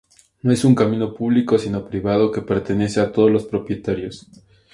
No es un camino público, sino privado, que pertenece a todos los propietarios.